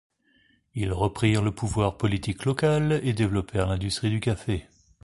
Ils reprirent le pouvoir politique local et développèrent l'industrie du café.